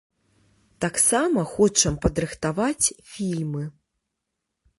Таксама хочам падрыхтаваць фільмы.